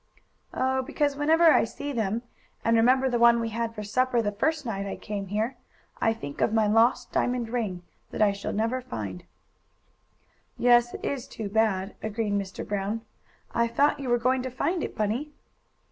"Oh, because whenever I see them, and remember the one we had for supper the first night I came here, I think of my lost diamond ring, that I never shall find." "Yes, it is too bad," agreed Mr. Brown. "I thought you were going to find it, Bunny?"